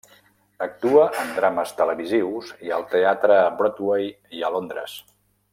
Actua en drames televisius i al teatre a Broadway i a Londres.